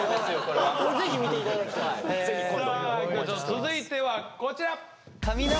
続いてはこちら。